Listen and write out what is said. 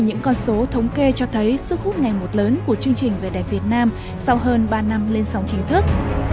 những con số thống kê cho thấy sức hút ngày một lớn của chương trình về đẹp việt nam sau hơn ba năm lên sóng chính thức